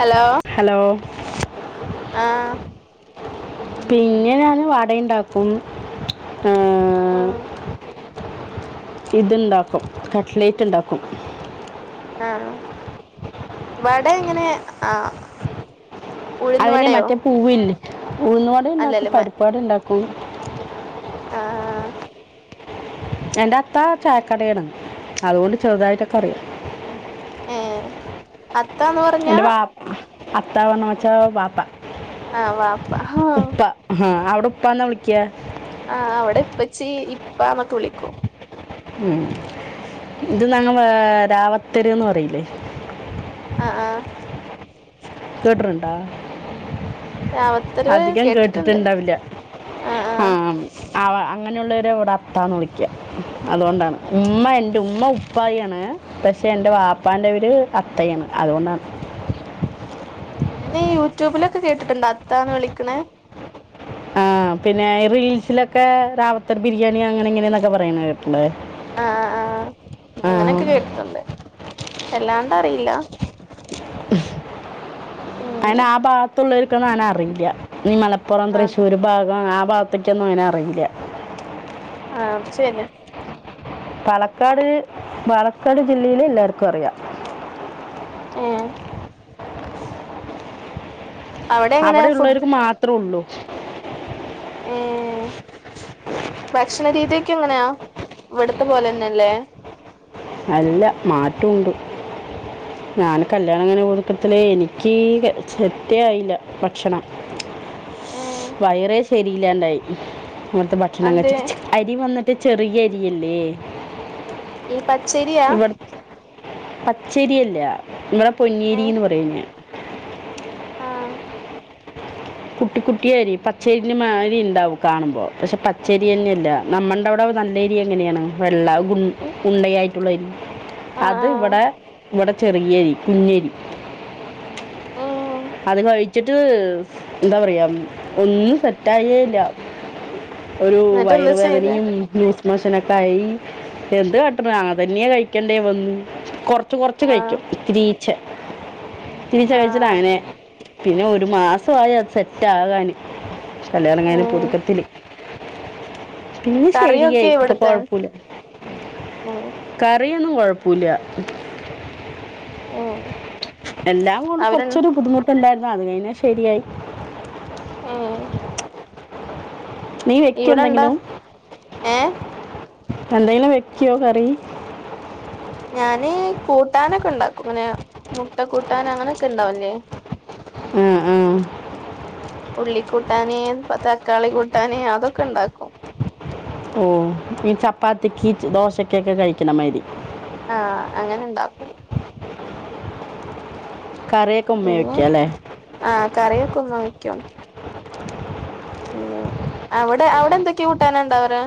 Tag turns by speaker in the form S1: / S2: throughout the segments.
S1: Hello
S2: hello
S1: ആഹ്
S2: പിന്നെ ഞാന് വടയുണ്ടാക്കും ആഹ്
S1: ഉം
S2: ഇതുണ്ടാക്കും കട്ട്ലേറ്റ് ഉണ്ടാക്കും
S1: ആഹ് വട എങ്ങനെ ആഹ് ഉഴുന്ന്
S2: അതിന്
S1: വടയോ
S2: മറ്റേ പൂവില്ലേ ഉഴുന്നുവട ഇണ്ടാക്കും
S1: അല്ലല്ലേ മ
S2: പരിപ്പുവട ഉണ്ടാക്കും
S1: ആഹ്
S2: എന്റെ അത്ത ചായക്കടയാണ് അതുകൊണ്ട് ചെറുതായിട്ടൊക്കെ അറിയാം
S1: ഏഹ് അത്താന്ന് പറഞ്ഞാ
S2: എന്റെ വപ്പ അത്ത പറഞ്ഞ വെച്ചാ വാപ്പ
S1: ആഹ് വാപ്പ
S2: ഉപ്പ ആഹ് അവിടെ ഉപ്പാന്നാ വിളിക്കുക
S1: ആഹ് അവിടെ ഇപ്പച്ചീ ഇപ്പ എന്നൊക്കെ വിളിക്കും
S2: ഉം ഇത് ഞങ്ങള് രാവത്തരുന്ന് പറയില്ലേ
S1: ആഹ് ആഹ്
S2: കേട്ടിറണ്ടോ
S1: രാമത്തരവ്
S2: അധികം
S1: കേട്ടിട്ടുണ്ട്
S2: കേട്ടിട്ടുണ്ടാവില്ല ആഹ് ആഹ് അങ്ങനെയുള്ളവരെ ഇവിടെ അത്താന്ന് വിളിക്കുക അതുകൊണ്ടാണ് ഉമ്മ എന്റെ ഉമ്മ ഉപ്പായിയാണ് പക്ഷെ എന്റെ വാപ്പാന്റെ പേര് അത്തയാണ് അതുകൊണ്ടാണ്
S1: ഇങ്ങനെ യൂട്യൂബിലൊക്കെ കേട്ടിട്ടുണ്ട് അത്താന്ന് വിളിക്കണ
S2: ആഹ് പിന്നെ റീൽസിലൊക്കെ റാവത്തർ ബിരിയാണി അങ്ങനെ ഇങ്ങനെന്നൊക്കെ പറയണ കേട്ടുള്ളേ
S1: ആഹ് ആഹ് അങ്ങനെയൊക്കെ കേട്ടിട്ടുണ്ട് അല്ലാണ്ട് അറിയില്ല
S2: അ
S1: ഉം
S2: അയിന് ആഹ് ഭാഗത്തുള്ളവർക്കൊന്നും അങ്ങനെ അറിയില്ല ഈ മലപ്പുറം
S1: ആഹ്
S2: തൃശ്ശൂർ ഭാഗം ആഹ് ഭാഗത്ത് ത്തെക്കൊന്നും അങ്ങനെ അറിയില്ല
S1: ആഹ് ശരി
S2: പാലക്കാട് പാലക്കാട് ജില്ലയിൽ എല്ലാവർക്കും അറിയാം
S1: ഉം അവിടെ എങ്ങനെ ഫുഡ്
S2: അവിടെയുള്ളവർക്ക് മാത്രേ ഉള്ളൂ
S1: ഏഹ് ഭക്ഷണ രീതിയൊക്കെ എങ്ങനെയാ ഇവിടുത്തെ പോലെ തന്നെല്ലേ
S2: അല്ല മാറ്റം ഉണ്ട് ഞാന് കല്യാണം അങ്ങനെ കൊടുക്കത്തി എനിക്ക് സെറ്റ് ആയില്ലേ ഭക്ഷണം
S1: ഏ
S2: വയറെ ശരില്ലാണ്ടായി അവിടുത്തെ ഭക്ഷണം
S1: അന്തേ
S2: കഴിച്ചിട്ട് അരി വന്നിട്ട് ചെറിയ അരിയല്ലേ
S1: ഈ പച്ചരിയാ
S2: ഇവിടെ പച്ചരിയല്ല ഇവിടെ
S1: ഏ
S2: പൊന്നേരിന്ന് പറയുന്ന
S1: ആഹ്
S2: കുട്ടി കുട്ടിയരി പച്ചേരിന്റെ മാരി ഉണ്ടാവും കാണുമ്പോ പക്ഷെ പച്ചേരി തന്നെയല്ല നമ്മണ്ട് അവിടെ നല്ല എരി എങ്ങനെയാണ് വെള്ള ഉണ്ടയായിട്ടുള്ള അരി
S1: ആഹ്
S2: അത്
S1: ആഹ്
S2: ഇവിടെ ഇവിടെ ചെറിയേരി കുഞ്ഞേരി
S1: ഉം
S2: അത് കഴിച്ചിട്ട് എന്താ പറയാ ഒന്നും സെറ്റായേല്ല ഒരു
S1: എന്നിട്ട് എന്താ ചെയ്തെ
S2: വയറുവേദനയും ലൂസ് മോശനൊക്കെയി എന്ത് കാട്ടണം ആഹ് തന്നെയാ കഴിക്കണ്ടേ വന്നു കൊ കുറച്ച് കുറച്ച്
S1: ആഹ്
S2: കഴിക്കും ഇചിരിച്ചേ കഴിച്ചട്ട്
S1: ആഹ്
S2: അങ്ങനെ പിന്നെ ഒരു മാസമായി അത് സെറ്റാകാന് കല്യാണം കഴിഞ്ഞ
S1: ഉം
S2: പുതുക്കത്തില് പിന്നെ
S1: കറിയൊക്കെ
S2: ശരിയായി ഇപ്പൊ
S1: ഇവിടത്തെ
S2: കൊഴപ്പില്ല
S1: ഉം
S2: കറിയൊന്നും കൊഴപ്പൂല്ല
S1: ഉം
S2: എല്ലാം കൊണ്ട്
S1: അവര്
S2: കുറച്ചൊരു ബുദ്ധിമുട്ട് ണ്ടായിരുന്നു അത് കഴിഞ്ഞ ശരിയായി
S1: ആഹ്
S2: നീ വെക്കോ
S1: ഇവിടെണ്ടാ
S2: എന്തെങ്കിലും
S1: ഏ
S2: എന്തെങ്കിലും വെക്കോ കറി?
S1: ഞാന് കൂട്ടാനൊക്കെ ഉണ്ടാക്കും ഇങ്ങനെ മുട്ട കൂട്ടാന അങ്ങനൊക്കെ ഉണ്ടാവു ല്ലേ
S2: ആഹ് ആ
S1: ഉള്ളി കൂട്ടാന് തക്കാളി കൂട്ടാന് അതൊക്കെ ഉണ്ടാക്കും.
S2: ഉം ഈ ചപ്പാത്തിക്ക് ദോശക്കൊക്കെ കഴിക്കണ മരി.
S1: ആഹ് അങ്ങനെ ഉണ്ടാക്കും
S2: കറിയൊക്കെ ഉമ്മെ വെ
S1: പിന്നെ
S2: ക്യാല്ലേ?
S1: ആഹ് കറിയൊക്കെ ഉമ്മ വക്കും. ഇല്ല അവിടെ അവിടെ എന്തൊക്കെയ കൂട്ടാന ഉണ്ടാവല്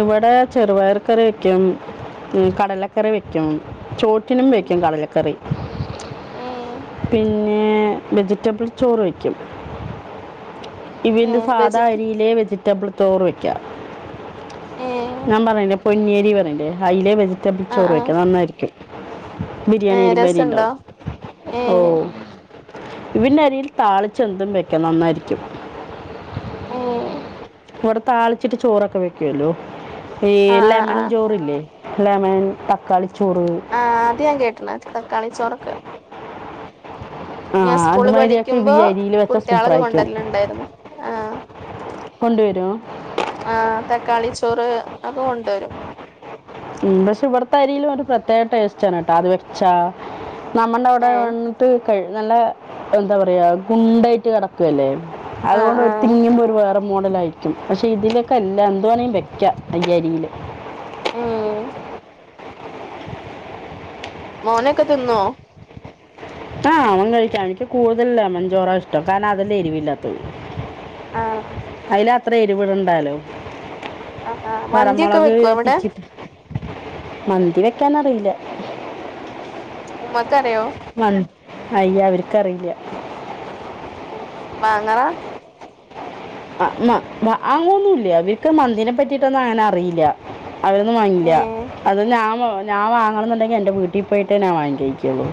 S2: ഇവിടെ ചെറപയർക്കറിവെക്കും ഉം കടലക്കറി വെക്കും ചോറ്റിനും വെക്കും കടലക്കറി.
S1: ഏ
S2: പിന്നെ വെജിറ്റബിൾ ചോറ് വയ്ക്കും.
S1: ഏ
S2: ഇവല് സാധാ
S1: വെജിറ്റ
S2: അരിയിലെ വെജിറ്റബിൾ തോറ് വെക്ക
S1: ഏ
S2: ഞാൻ പറയണ് പൊന്നിയേരി പറയല്ലെ അയിലെ വെജിറ്റബിൾ
S1: ആ
S2: ചോറ്
S1: ആ
S2: വയ്ക്കാ നന്നായിരിക്കും.
S1: ഏ
S2: ബിരിയാണി അരിമാരി
S1: രസണ്ടോ
S2: ഉണ്ടാവും
S1: ഏ
S2: ഓഹ് ഇവന്റെ അരിയിൽ താളിച്ചെന്തും വെക്ക നന്നായിരിക്കും.
S1: ഉം
S2: ഇവിടെ താളിച്ചിട്ട് ചോറൊക്കെ വെക്കുവല്ലോ ഈ
S1: ആ ആ ആ
S2: ലെമൻ ചോറില്ലേ, ലെമൻ തക്കാളി ചോറ്
S1: ആഹ് അത് ഞാൻ കേട്ടണ തക്കാളി ചോറക്ക്.
S2: ആഹ്
S1: സ്കൂള്
S2: അതുമാരിക്കെ
S1: പഠിക്കുമ്പോ
S2: ഈ അരിൽ വെച്ചാ സൂപ്പർ
S1: കുട്ടികളൊക്കെ
S2: ആയിരിക്കും.
S1: കൊണ്ടുവരലുണ്ടായിരുന്നു ആ
S2: കൊണ്ടുവരുവോ?
S1: ആഹ് തക്കാളി ചോറ് അത് ഒക്കെ കൊണ്ടുവരും.
S2: ഉം പക്ഷേ ഇവിടത്തെ അരിയിൽ ഒരു പ്രത്യേകടേസ്റ്റാണ് കേട്ടോ അത് വെ അച്ചാ നമ്മുടെ അവിടെ
S1: ഏ
S2: വന്നിട്ട് ക നല്ല എന്താ പറയാ ഗുണ്ടായിട്ട് കിടക്കല്ലേ
S1: ആ
S2: അതുകൊണ്ട്
S1: ആ
S2: തിങ്ങുമ്പോൾ ഒരു വേറെ മോഡലായിരിക്കും പക്ഷേ ഇതിലൊക്കെ അല്ല എന്തു വേണമങ്കിലും വയ്ക്കാം ഈ അരിയിൽ
S1: ഉം മോനൊക്കെ തിന്നോ?
S2: ആഹ് അവൻ കഴിക്കാം അവനിക്ക് കൂടുതലേമ്മൻചോറ ഇഷ്ടം കാരണം അതില്ല എരിവില്ലാത്തത്.
S1: ആഹ്
S2: അതില് അത്ര എരിവടുണ്ടാലോ
S1: ആ ആ മന്തിയൊക്കെ
S2: പറമുളക്
S1: വെക്കുവോ അവിടെ
S2: പിച്ചിട്ട് മന്തി വെക്കാനറിയില്ല,
S1: ഉമ്മക്കറിയോ?
S2: മന്തി അയ്യ ഇവർക്ക്റിയില്ല.
S1: ഉം വങ്ങവാ.
S2: ആ മ വാങ്ങൊന്നുംല്ല അവർക്ക് മന്തിനെ പറ്റിയിട്ടൊന്നും അങ്ങനെ അറിയില്ല. അവരൊന്നും വാങ്ങില്ല.
S1: ഏ
S2: അത് ഞാ ഞാൻ വാങ്ങണം എന്നുണ്ടെങ്കി എൻറെ വീട്ടിൽ പോയിട്ട് ഞാ വാങ്ങിഴക്കുള്ളു.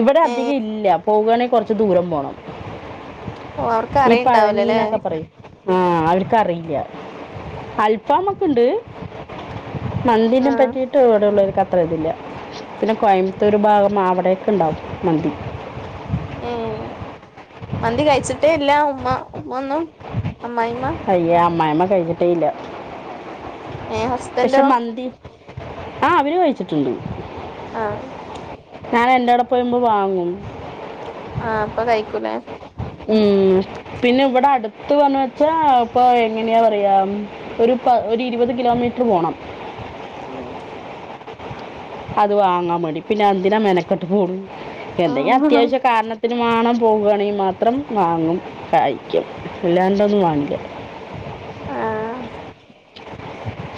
S2: ഇവിടെ
S1: ഏ
S2: അധികം ഇല്ല പോകുയാണെങ്കിൽ കൊറച്ച് ദൂരം പോണം.
S1: ഓ അവർക്ക്
S2: ഈ
S1: അറിയണ്ടാവൂലല്ലേ
S2: പഴനീന്നൊക്കെ പറയും ആഹ് അവർക്കറിയില്ല. അൽഫാമ്മക്കുണ്ട് മന്തിനെ
S1: ആഹ്
S2: പറ്റിയിട്ട് അവിടെള്ളരു ക അത്ര ഇതില്ല പിന്നെ കോയമ്പത്തൂർ ഭാഗം അവിടെയൊക്കെ ഉണ്ടാവും മന്തി.
S1: ഉം മന്തി കഴിച്ചിട്ടേ ഇല്ല ഉമ്മ ഉമ്മ ഒന്നും അമ്മായിമ്മ.
S2: അയ്യ അമ്മായിമ്മ കഴിഞ്ഞിട്ടെ ഇല്ല
S1: ഏഹ്
S2: പക്ഷെ
S1: ഹസ്ബൻഡോ
S2: മന്തി ആ അവര് കഴിച്ചിട്ടുണ്ട്.
S1: ആഹ്
S2: നാളെ എന്റെടൊപ്പം വരുമ്പം വാങ്ങും.
S1: ആഹ് അപ്പൊ കഴിക്കൂലെ?
S2: ഉം പിന്നെ ഇവടെ അട്ത്തോണച്ചാ ഇപ്പൊ എങ്ങനെയാ പറയാം. ഒരു പ ഒര് ഇരുപത് കിലോമീറ്റർ പോണം.
S1: ആഹ്
S2: അത് വാങ്ങാൻ മേണ്ടി പിന്നെ എന്തിനാ മെനക്കെട്ട് പോണ് എന്തങ്കിലും
S1: ആഹ്
S2: അത്യാവിശ്യ കാരണ ത്തിന് വാണം പോകുകയാണെങ്കിൽ മാത്രം വാങ്ങും കഴിക്കും അല്ലാണ്ടൊന്നും വാങ്ങില്ല.
S1: ആഹ്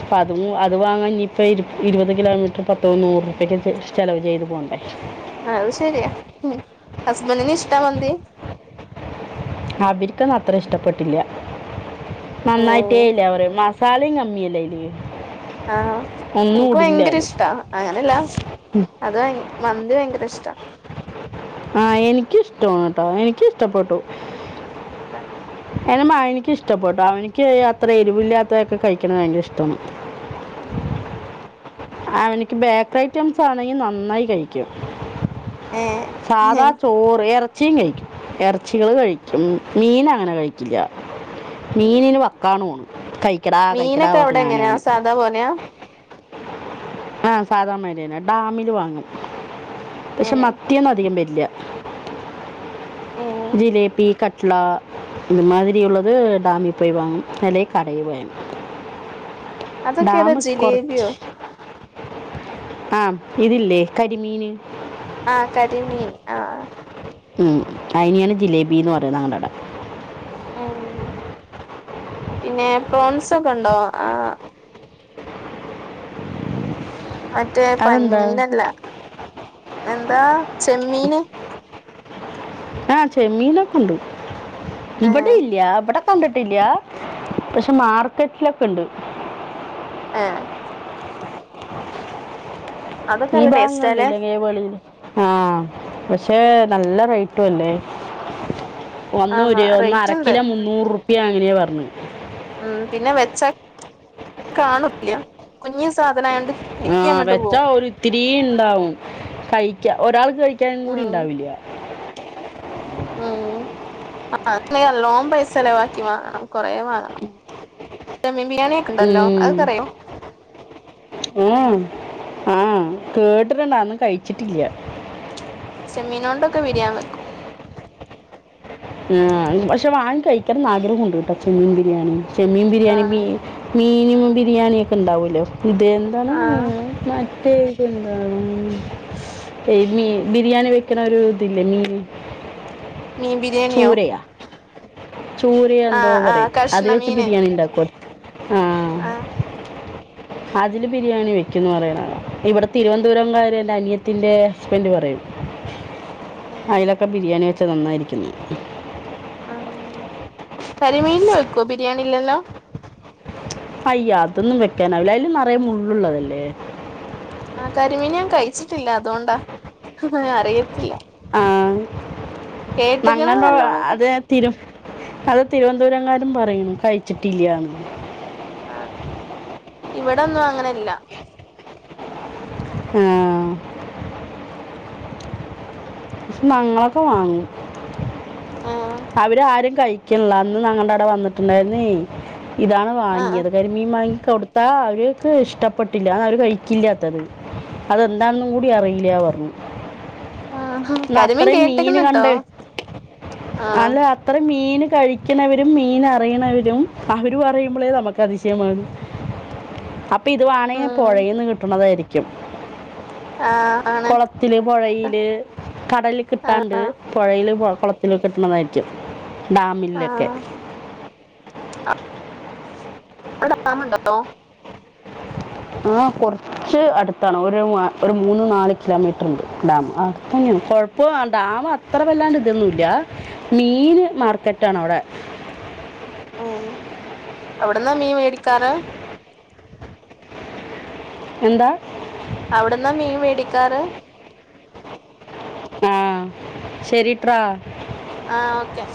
S2: അപ്പ അതും അത് വാങ്ങാൻ ഇഞ്ഞിപ്പൊ ഇര് ഇരുപത് കിലോമീറ്റർ പത്ത് മുന്നൂറ് രൂപയ്ക്ക് ചെ ചെലവ് ചെയ്ത് പോണ്ടേ.
S1: അഹ് ശെരിയാ ഉം. ഹസ്ബൻ്റിന് ഇഷ്ടാ മന്തി?
S2: അവരിക്കത് അത്ര ഇഷ്ടപ്പെട്ടില്ല. നന്നായിട്ടേ
S1: ഏഹ്
S2: ഇല്ല പറയും. മസാലിം കമ്മിയല്ലേ അയില്?
S1: ആഹ് ഓക്ക് ഭയങ്കര ഇഷ്ടാ. അങ്ങനെല്ല അത് ഭയ മന്തി ഭയങ്കര ഇഷ്ടാ.
S2: ആഹ് എനിക്കിഷ്ടമാണ് ട്ടൊ എനിക്കിഷ്ടപ്പെട്ടു.
S1: ആഹ്
S2: എൻ്റെ മകനിക്ക് ഇഷ്ടപ്പെട്ടു അവനിക്ക് അത്ര എരുവില്ലാത്തൊക്കെ കഴിക്കണെ ഭയങ്കര ഇഷ്ടാണ്.
S1: ഉം
S2: അവനിക്ക് ബേക്കറി ഐറ്റംസ് ആണെങ്കിൽ നന്നായി കഴിക്കും. സാധാ
S1: ഏഹ്
S2: ചോറ് എ ർച്ചി കഴിക്കും എർച്ചികൾ കഴിക്കും മീൻ അങ്ങനെ കഴിക്കില്ല. മീനിന് വക്കാണോണ് കഴിക്കടാ കഴിക്കടാ
S1: മീനൊക്കെ അവിടെ
S2: പറഞ്ഞിട്ട് ഞാനും ഓനും.
S1: [unintelligible]
S2: ആഹ് സാധാമാരിന്നെ ഡാമിൽ വാങ്ങും പക്ഷെ
S1: ഏഹ്
S2: മത്തിയൊന്നും അധികം വരില്ല.
S1: ഏഹ്
S2: ജിലേബി, കട്ട്ള ഇമ്മാതിരി ഉള്ളത് ഡാമി പോയി വാങ്ങും അല്ലെയ് കടയി പോയാണ്ട്.
S1: അതൊക്കെ ഏതാ
S2: ഡാമ് കൊറച്ച്
S1: ജിലേബിയോ
S2: ആഹ് ഇതില്ലേ കരിമീന്
S1: ആഹ് കരിമീൻ ആഹ്
S2: ഉം അയിനിയാണ് ജിലേബിന്ന് പറയ ഞങ്ങളഅവടെ.
S1: ഹേ പിന്നെ പ്രോൺസൊക്കെ ഇണ്ടോ ആഹ്? മറ്റേ
S2: അതെന്താ
S1: പഞ്ഞീനല്ല എന്താ ചെമ്മീന്.
S2: ആഹ് ചെമ്മീനൊക്കെ ഉണ്ട്
S1: ആ
S2: ഇവടെ ഇല്ല ഇവടെ കണ്ടിട്ടില്ല പക്ഷെ മാർക്കറ്റിലൊക്കെ ഉണ്ട്.
S1: ഏഹ് അതൊക്കെ
S2: ഈ
S1: നല്ല ടേസ്റ്റാല്ലേ
S2: ഭാഗങ്ങളിലില്ല കേവളിൽ ആഹ് പക്ഷേ നല്ല റേറ്റും അല്ലേ? ഒന്ന്
S1: ആന്നാ
S2: ഒര് ഒന്ന്
S1: റേറ്റ് ഉണ്ട്
S2: അരക്കിലോ മുന്നൂറ് റുപ്യ അങ്ങനെയാ പറഞ്ഞേ.
S1: ഉം പിന്നെ വെച്ച കാണൂല്ല കുഞ്ഞു സാധനയോണ്ട്
S2: ആഹ് വെച്ചാ ഒരിത്തിരീ ഇണ്ടാവും കഴിക്കാ ഒരാൾക്ക് കഴിക്കാനും കൂടി
S1: ഉം
S2: ഉണ്ടാവില്ല.
S1: ആഹ് [unintelligible] നല്ലോം പൈസ ചെലവാക്കി വാങ്ങണം കൊറേ വാങ്ങണം. ചെമ്മീൻ ബിരിയാണി ഒക്കെ ഉണ്ടല്ലോ
S2: ഉം
S1: അതൊക്കെ അറിയോ
S2: ഉം ആഹ് കേട്ടിട്ട്ണ്ട് അതൊന്നും കഴിച്ചിട്ടില്ല.
S1: ചെമ്മീനോണ്ടൊക്കെ ബിരിയാൻ വെക്കും.
S2: ആഹ് പക്ഷെ വാങ്ങി കഴിക്കണംന്ന് ആഗ്രഹംമുണ്ട് കേട്ടോ, ചെമ്മീൻ ബിരിയാണി, ചെമ്മീൻ
S1: ആ
S2: ബിരിയാണി മീൻ ബിരിയാണിയ ഒക്കെ ഉണ്ടാവുമല്ലോ ഇത് എന്താണ്?
S1: ആ
S2: [unintelligible] എന്താണ് മീൻ ബിരിയാണിവെക്കണ ഒരു ഇതില്ലേ മീൻ
S1: മീൻ ബിരിയാണി
S2: ചൂരയാ ചൂര
S1: ആ
S2: എന്തോ
S1: ആ
S2: പറയും, അത്
S1: കഷ്ണ
S2: വെച്ച്
S1: മീന്
S2: ബിരിയാണി ഉണ്ടാക്കും.
S1: ആ
S2: അതില് ബിരിയാണി വെക്കുംന്ന് പറയണ് ഇവിടെ തിരുവനന്തപുരം കാര് എൻ്റെ അനിയത്തിന്റെ ഹസ്ബൻ്റ് പറയും.
S1: ഉം
S2: അയിലൊക്കെ ബിരിയാണി വെച്ച നന്നായിരിക്കുന്ന്.
S1: ആഹ് കരിമീൻല് വെക്കുവോ ബിരിയാണിയില്ലല്ലോ?
S2: അയ്യ അതൊന്നും വെക്കാനാവില്ല അയില് നെറയെ മുള്ളുള്ളതല്ലേ.
S1: ആ കരിമീൻ ഞാൻ കഴിച്ചിട്ടില്ല അതുകൊണ്ടാ ആഹ് അറിയത്തില്ല.
S2: ആഹ്
S1: കേട്ടക്കണ് നല്ലോണംക്കെ
S2: നങ്ങൾടൊടെ തിരം അത് തിരുവൻന്തപുരംകാരും പറയും കഴിച്ചിട്ടില്ല്യാന്ന്.
S1: ആഹ് ഇവിടൊന്നും അങ്ങനെല്ല.
S2: [inaudible] ആഹ് ഷെ ഞങ്ങളക്കെ വാങ്ങും
S1: ആ
S2: അവരാരും കഴി ക്ക്ള്ള അന്ന് നങ്ങടെ അവടെ വന്നിട്ടുണ്ടായിരുന്നേ ഇതാണ്
S1: ആ
S2: വാങ്ങിയത് കരി മീൻ വാങ്ങി കൊടുത്താ അവര്ക്ക് ഇഷ്ടപ്പെട്ടില്ല അതവര് കഴിക്കില്ലാത്തത്. അതെന്താണന്നും കൂടി അറിയില്ല പറഞ്ഞു.
S1: ആ
S2: ന്നാ
S1: കരിമീൻ
S2: അത്രേം മീന്
S1: കേട്ടക്കണ് ട്ടോ
S2: കണ്ടെ
S1: ആ
S2: അല്ല ത്ര മീന് കഴിക്കണവരും മീന് അറിയണവരും അവരു പറയുമ്പളേ നമുക്കതിശയമാണ്. അപ്പിത് വാണെ
S1: ഉം
S2: പൊഴയിന്ന് കിട്ടണതായിരിക്കും.
S1: ആഹ് ആണ്.
S2: ത്തില് പൊഴയില് കടലി
S1: ആ
S2: കിട്ടാൻണ്ട് പൊഴേല് കൊളത്തിലക്ക കിട്ടണതായിരിക്കും
S1: ആ
S2: ഡാമിലെക്കെ.
S1: അവടെ ഡമുണ്ടോ?
S2: ആഹ് കൊർച്ച് അടുത്താണ് ഒരു ഒരു മൂന്ന് നാല് കിലോമീറ്റർണ്ട് ഡാം അടുത്തന്നെയ കൊഴ ഇപ്പൊ ഡാമ് അത്ര വല്ലാണ്ട് ഇതൊന്നുല്ല മീന് മാർക്കറ്റാണ് അവിടെ.
S1: ആഹ് അവിടുന്നാ മീൻ മേടിക്കാറ്?
S2: എന്താ?
S1: അവിടന്നാ മീൻ വേടിക്കാറ്?
S2: ആഹ് ശെരിട്ര.
S1: ആഹ് ഓക്കെ.